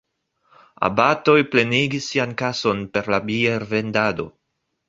Abatoj plenigis sian kason per la biervendado.